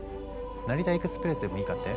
成田エクスプレスでもいいかって？